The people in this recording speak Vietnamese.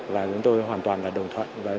và chúng tôi hoàn toàn là đồng thoại